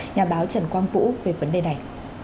nhà báo trần quang vũ về vấn đề này